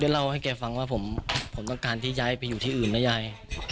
เล่าให้แกฟังว่าผมต้องการที่ย้ายไปอยู่ที่อื่นนะยาย